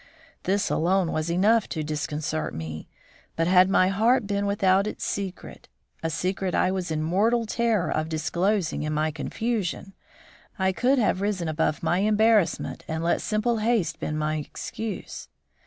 This alone was enough to disconcert me, but had my heart been without its secret a secret I was in mortal terror of disclosing in my confusion I could have risen above my embarrassment and let simple haste been my excuse.